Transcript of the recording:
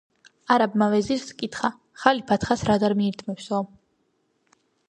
არაბმა ვეზირს ჰკითხა: ხალიფა თხას რად არ მიირთმევსო?